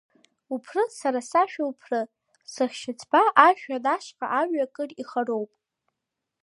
Уԥры, сара сашәа, уԥры, сыхьшьыцба, ажәҩан ашҟа амҩа акыр ихароуп.